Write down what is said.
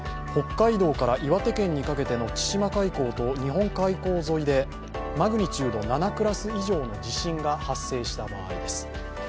北海道から岩手県にかけての千島海溝と日本海溝沿いでマグニチュード７クラス以上の地震が発生した場合です。